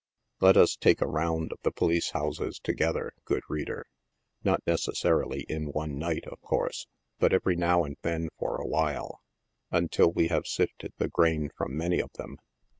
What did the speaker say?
Let us take a round of the station houses together, good reader — not necessarily in one night, of course, but every now and then for a while — until we have sifted the grain from many of them.